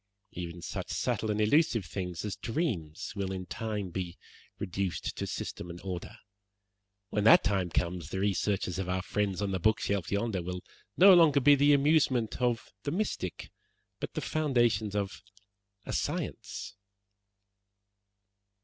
Even such subtle and elusive things as dreams will in time be reduced to system and order. When that time comes the researches of our friends on the bookshelf yonder will no longer be the amusement of the mystic, but the foundations of a science."